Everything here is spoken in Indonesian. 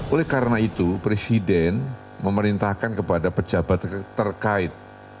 oleh karena itu presiden memerintahkan kepada pejabat terkait